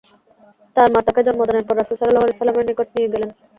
তাঁর মা তাঁকে জন্ম দানের পর রাসূলুল্লাহ সাল্লাল্লাহু আলাইহি ওয়াসাল্লামের নিকট নিয়ে গেলেন।